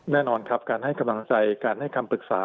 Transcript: แน่นอนครับการให้กำลังใจการให้คำปรึกษา